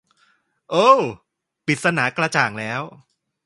โอ้ว ปริศนาไขกระจ่างแล้ว